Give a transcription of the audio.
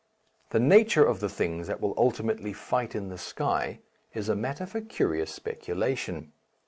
The nature of the things that will ultimately fight in the sky is a matter for curious speculation.